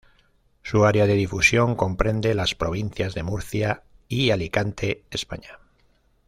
Su área de difusión comprende las provincias de Murcia y Alicante, España.